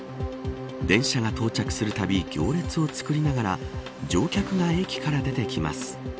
電車が到着するたび行列を作りながら乗客が駅から出てきます。